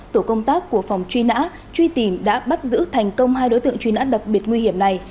tổ công tác của phòng truy nã truy tìm đã bắt giữ thành công hai đối tượng truy nã đặc biệt nguy hiểm này